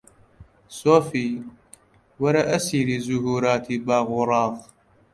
سۆفی! وەرە ئەسەیری زوهووراتی باغ و ڕاغ